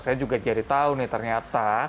saya juga jadi tahu nih ternyata